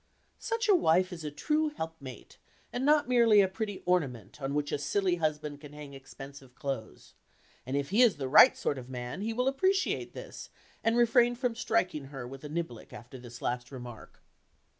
Such a wife is a true helpmate, and not merely a pretty ornament on which a silly husband can hang expensive clothes, and if he is the right sort of man, he will appreciate this, and refrain from striking her with a niblick after this last remark.